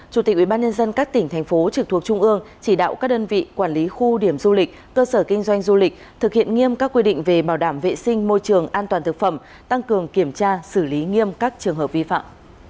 chủ tịch ubnd các tỉnh thành phố trực thuộc trung ương chỉ đạo các đơn vị quản lý khu điểm du lịch cơ sở kinh doanh du lịch thực hiện nghiêm các quy định về bảo đảm vệ sinh môi trường an toàn thực phẩm tăng cường kiểm tra xử lý nghiêm các trường hợp vi phạm